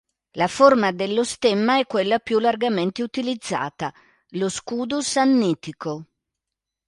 La forma dello stemma è quella più largamente utilizzata: lo scudo sannitico.